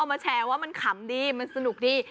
ที่หลายคนเขาเอามาแชร์ว่ามันขำดีมันสนุกดี